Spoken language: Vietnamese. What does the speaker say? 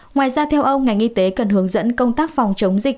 ngoài ra theo ông ngành y tế cần hướng dẫn công tác phòng chống dịch